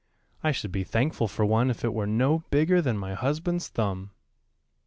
I should be thankful for one if it were no bigger than my husband's thumb."